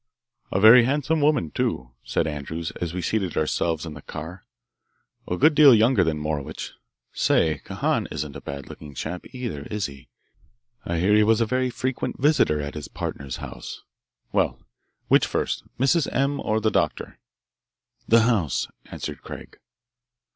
"A very handsome woman, too," said Andrews, as we seated ourselves in the car: "A good deal younger than Morowitch. Say, Kahan isn't a bad looking chap, either, is he? I hear he was a very frequent visitor at his partner's house. Well, which first, Mrs. M. or the doctor?" "The house," answered Craig.